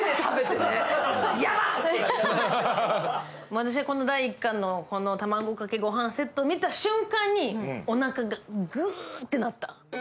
私がこの第１巻の卵かけ御飯セットを見た瞬間に、おなかがぐって鳴った。